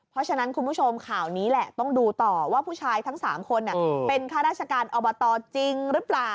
เพราะฉะนั้นคุณผู้ชมข่าวนี้แหละต้องดูต่อว่าผู้ชายทั้ง๓คนเป็นข้าราชการอบตจริงหรือเปล่า